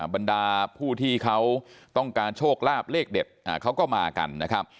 บรรดาผู้ที่เขาต้องการโชคลาภเลขเด็ดเขาก็มากันนะครับ